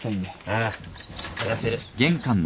ああ分かってる。